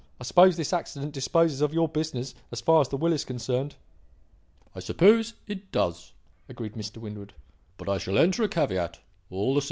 I suppose this accident disposes of your business as far as the will is concerned?" "I suppose it does," agreed Mr. Winwood. "But I shall enter a caveat, all the same."